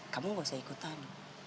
kamu nggak usah ikutan